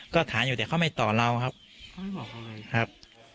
ก็ถามอยู่แต่เขาไม่ต่อเราครับเขาไม่บอกเขาเลยครับ